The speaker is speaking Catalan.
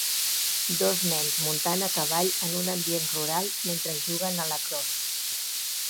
Dos nens muntant a cavall en un ambient rural mentre juguen a lacrosse